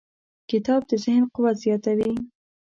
کتاب د ذهن قوت زیاتوي.